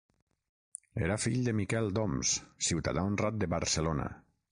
Era fill de Miquel d'Oms, ciutadà honrat de Barcelona.